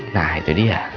nah itu dia